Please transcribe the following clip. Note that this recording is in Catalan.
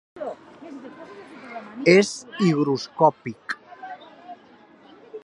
És higroscòpic.